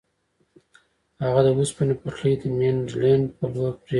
هغه د اوسپنې پټلۍ د مینډلینډ په لور پرې کړه.